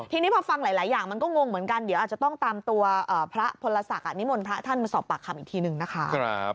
ทีนี้พอฟังหลายอย่างมันก็งงเหมือนกันเดี๋ยวอาจจะต้องตามตัวพระพลศักดิ์นิมนต์พระท่านมาสอบปากคำอีกทีหนึ่งนะคะ